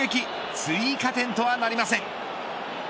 追加点とはなりません。